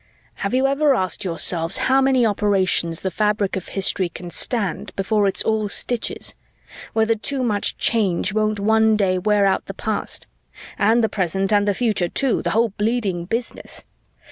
"Have you ever asked yourselves how many operations the fabric of history can stand before it's all stitches, whether too much Change won't one day wear out the past? And the present and the future, too, the whole bleeding business.